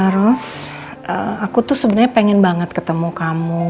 ros aku tuh sebenernya pengen banget ketemu kamu